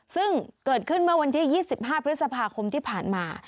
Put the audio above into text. ซึ่งเกิดขึ้นเมื่อวันที่๒๕พฤษภาคมที่ผ่านมา